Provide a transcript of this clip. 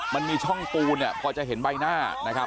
มันมีช่องปูนพอจะเห็นใบหน้านะครับ